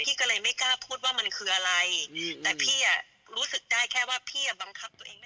พี่ก็เลยไม่กล้าพูดว่ามันคืออะไรแต่พี่อ่ะรู้สึกได้แค่ว่าพี่อ่ะบังคับตัวเองไม่